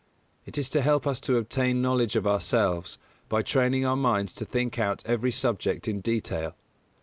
It is to help us to obtain knowledge of ourselves, by training our minds to think out every subject in detail.